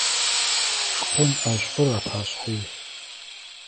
Шкъун ӏэшӏур апашъхьэ илъ.